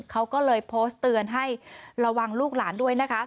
เขาก็เลยโพสต์เตือนให้ระวังลูกหลานด้วยนะคะ